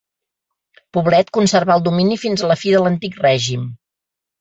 Poblet conservà el domini fins a la fi de l'antic règim.